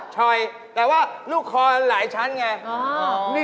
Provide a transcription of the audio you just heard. ชอยแต่ว่าลูกคอหลายชั้นไง